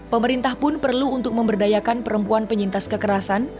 pemerintah pun perlu untuk memberdayakan perempuan penyintas kekerasan